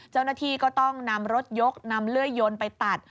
เจ้าหน้าที่ก็ต้องนำรถยกนำเลื่อยยนไปตัด